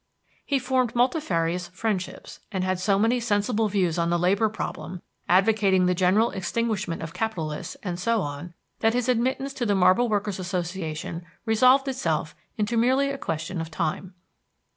He formed multifarious friendships, and had so many sensible views on the labor problem, advocating the general extinguishment of capitalists, and so on, that his admittance to the Marble Workers' Association resolved itself into merely a question of time.